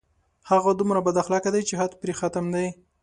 هغه دومره بد اخلاقه دی چې حد پرې ختم دی